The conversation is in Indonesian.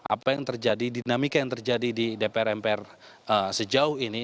apa yang terjadi dinamika yang terjadi di dpr mpr sejauh ini